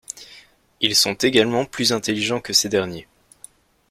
Ils sont également plus intelligents que ces derniers.